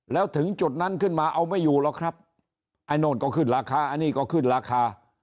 แล้วถึงจุดนั้นขึ้นมาเอาไม่อยู่หรอกครับไอ้โน่นก็ขึ้นราคาอันนี้ก็ขึ้นราคา